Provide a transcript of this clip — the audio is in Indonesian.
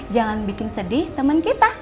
jangan bikin sedih temen kita